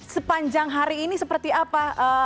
sepanjang hari ini seperti apa